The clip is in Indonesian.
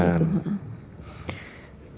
saya enggak perhatikan itu